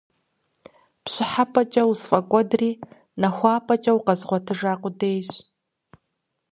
ПщӀыхьэпӀэкӀэ усфӀэкӀуэдри, нахуапӀэкӀэ укъэзгъуэтыжа къудейщ…